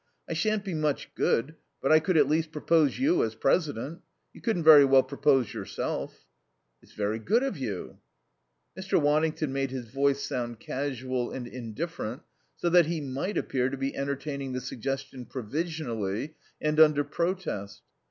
I shan't be much good, but I could at least propose you as president. You couldn't very well propose yourself." "It's very good of you." Mr. Waddington made his voice sound casual and indifferent, so that he might appear to be entertaining the suggestion provisionally and under protest.